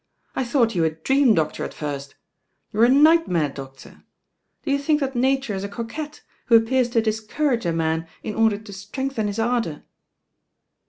"I thought you a dream^loctor at firit youre a nightmare^octor I Do you think that Nature » a coquette, who appears to discourage « man m order to strengthen his ardour?"